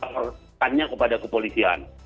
harus tanya kepada kepolisian